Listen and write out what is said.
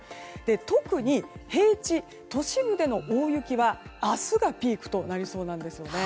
特に平地、都市部での大雪は明日がピークとなりそうなんです。